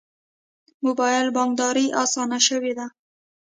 موبایل بانکداري اسانه شوې ده